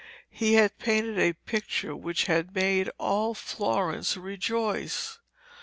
He had painted a picture which had made all Florence rejoice.